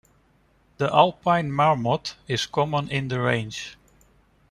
The Alpine marmot is common in the range.